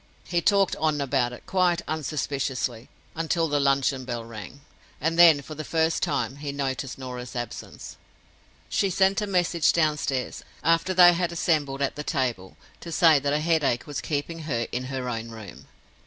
He talked on about it, quite unsuspiciously, until the luncheon bell rang—and then, for the first time, he noticed Norah's absence. She sent a message downstairs, after they had assembled at the table, to say that a headache was keeping her in her own room.